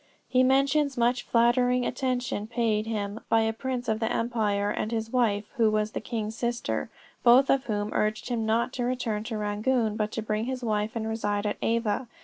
He mentions much flattering attention paid him by a prince of the empire and his wife, who was the king's sister, both of whom urged him not to return to Rangoon, but to bring his wife and reside at Ava.